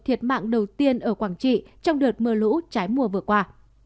thiệt mạng đầu tiên ở quảng trị trong đợt mưa lũ trái mùa vừa qua